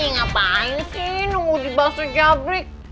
ngapain sih nunggu di basuh jabrik